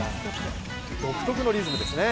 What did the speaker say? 独特のリズムですね。